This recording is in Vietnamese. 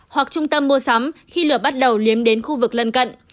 hoặc trung tâm mua sắm khi lửa bắt đầu liếm đến khu vực lân cận